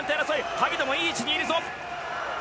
萩野もいい位置にいるぞ。